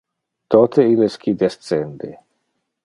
Tote illes qui descende.